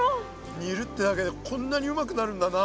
煮るってだけでこんなにうまくなるんだな。